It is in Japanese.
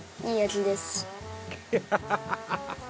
「ハハハハ！